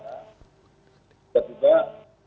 dan pertama ini naiknya kontan